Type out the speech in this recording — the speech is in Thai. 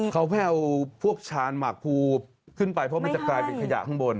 เขาไปเอาพวกชานหมากภูขึ้นไปเพราะมันจะกลายเป็นขยะข้างบน